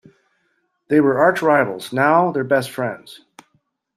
They were arch rivals, now they're best friends.